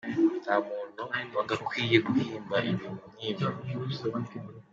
Nta muntu wagakwiye guhimba ibintu nk’ibi.